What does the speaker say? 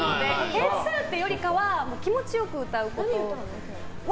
点数というよりかは気持ちよく歌うことを。